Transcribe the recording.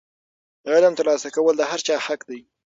د علم ترلاسه کول د هر چا حق دی.